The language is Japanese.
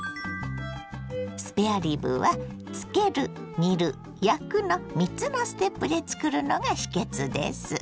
スペアリブは「漬ける」「煮る」「焼く」の３つのステップで作るのが秘けつです。